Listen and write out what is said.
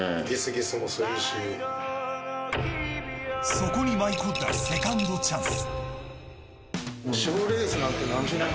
そこに舞い込んだセカンドチャンス。